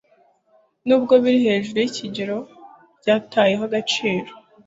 nubwo biri hejuru y'ikigero ryatayeho agaciro